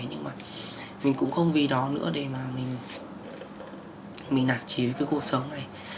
nhưng mà mình cũng không vì đó nữa để mà mình nạt chế với cuộc sống này